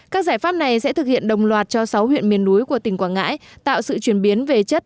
các giải pháp này sẽ thực hiện đồng loạt cho sáu huyện miền núi của tỉnh quảng ngãi tạo sự chuyển biến về chất